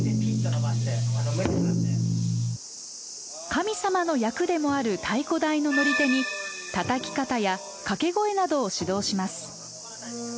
神様の役でもある太鼓台の乗り手にたたき方や掛け声などを指導します。